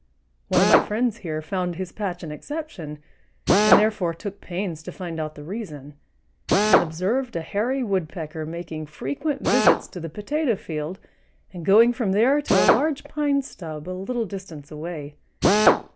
One of my friends here found his patch an exception, and, therefore, took pains to find out the reason, and observed a Hairy Woodpecker making frequent visits to the potato field and going from there to a large pine stub a little distance away.